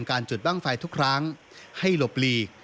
การจุดบ้างไฟทุกครั้งให้หลบหลีก